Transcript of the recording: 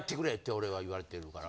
俺は言われてるから。